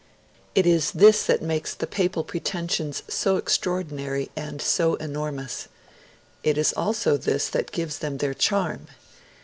It is this that makes the papal pretensions so extraordinary and so enormous. It is also this that gives them their charm.